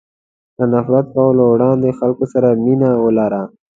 له نفرت کولو وړاندې خلکو سره مینه ولره.